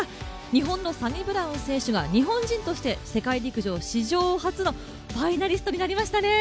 日本のサニブラウン選手が日本選手として世界陸上史上初のファイナリストになりましたね。